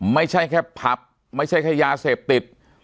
ไม่ใช่แค่ผับไม่ใช่แค่ยาเสพติด